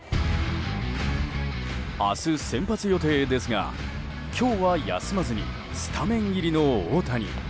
明日、先発予定ですが今日は休まずにスタメン入りの大谷。